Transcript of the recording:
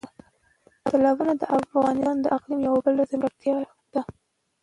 تالابونه د افغانستان د اقلیم یوه بله ځانګړتیا ده.